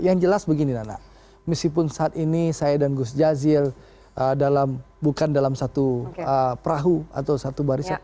yang jelas begini nana meskipun saat ini saya dan gus jazil bukan dalam satu perahu atau satu barisan